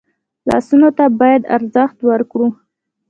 لاسونه ته باید ارزښت ورکړو